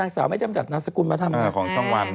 นางสาวไม่จำจัดนับสกุลมาทำ